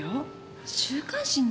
週刊誌に？